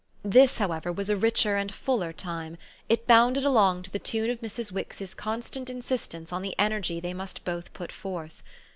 This, however, was a fuller and richer time: it bounded along to the tune of Mrs. Wix's constant insistence on the energy they must both put forth.